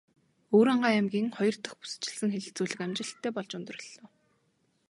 Өвөрхангай аймгийн хоёр дахь бүсчилсэн хэлэлцүүлэг амжилттай болж өндөрлөлөө.